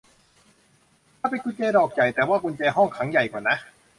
มันเป็นกุญแจดอกใหญ่ แต่ว่ากุญแจห้องขังใหญ่กว่านะ